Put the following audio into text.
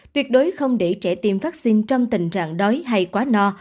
tuyệt đối không để trẻ tiêm vaccine trong tình trạng đói hay quá no